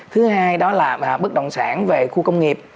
thứ hai đó là bất động sản về khu công nghiệp